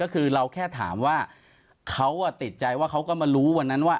ก็คือเราแค่ถามว่าเขาติดใจว่าเขาก็มารู้วันนั้นว่า